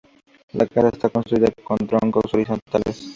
La casa está construida con troncos horizontales.